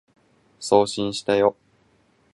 送信したよ